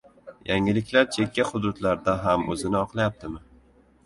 Yangiliklar chekka xududlarda ham o‘zini oqlayaptimi?